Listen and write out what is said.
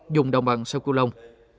dùng đồng bằng sâu cửu long